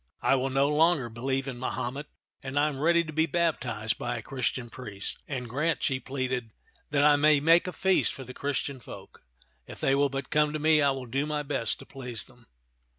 I will no longer be lieve in Mahomet, and I am ready to be baptized by a Christian priest. And grant," she pleaded, '* that I may make a feast for the Christian folk. If they will but come to me, I will do my best to please them."